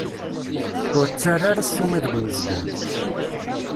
Ur ttarra ara ssuma deg unezgum!